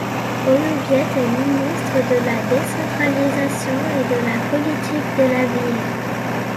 Onouviet est ministre de la Décentralisation et de la Politique de la ville.